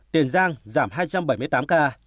tiền giang giảm hai trăm bảy mươi tám ca